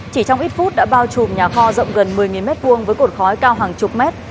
chỉ trong ít phút đã bao trùm nhà kho rộng gần một mươi m hai với cột khói cao hàng chục mét